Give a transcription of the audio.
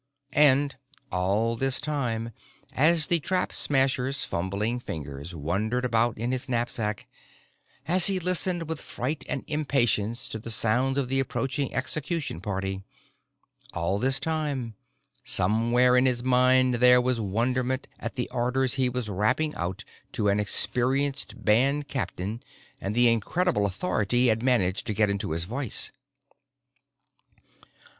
And, all this time, as the Trap Smasher's fumbling fingers wandered about in his knapsack, as he listened with fright and impatience to the sounds of the approaching execution party all this time, somewhere in his mind, there was wonderment at the orders he was rapping out to an experienced band captain and the incredible authority he had managed to get into his voice.